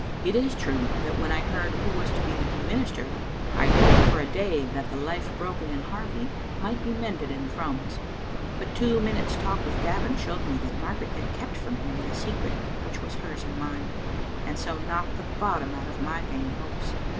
It is true that when I heard who was to be the new minister I hoped for a day that the life broken in Harvie might be mended in Thrums, but two minutes' talk with Gavin showed me that Mar garet had kept from him the secret which was hers and mine, and so knocked the bottom out of my vain hopes.